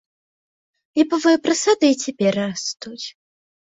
Ліпавыя прысады і цяпер растуць.